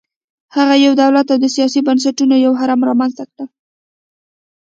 هغه یو دولت او د سیاسي بنسټونو یو هرم رامنځته کړل